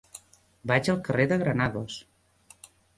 Vaig al carrer de Granados.